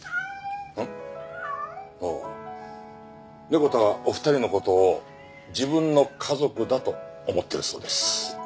ネコ太はお二人の事を自分の家族だと思っているそうです。